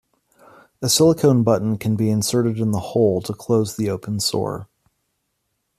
A silicone button can be inserted in the hole to close the open sore.